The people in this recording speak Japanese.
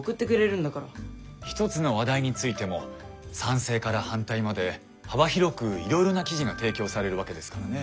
一つの話題についても賛成から反対まで幅広くいろいろな記事が提供されるわけですからね。